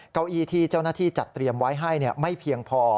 เก้าอี้ที่เจ้าหน้าที่จัดเตรียมไว้ให้ไม่เพียงพอ